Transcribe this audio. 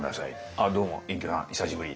「ああどうも隠居さん久しぶり」。